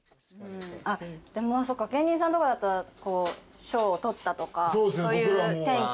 あっでも芸人さんとかだったら賞を取ったとかそういう転機。